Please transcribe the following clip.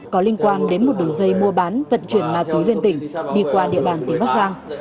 có liên quan đến một đường dây mua bán vận chuyển ma túy liên tỉnh đi qua địa bàn tỉnh bắc giang